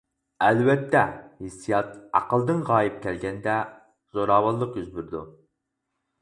ئەلۋەتتە، ھېسسىيات ئەقىلدىن غايىب كەلگەندە زوراۋانلىق يۈز بېرىدۇ.